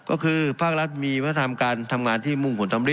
ก็คือภาครัฐมีวัฒนธรรมการทำงานที่มุ่งผลสำริ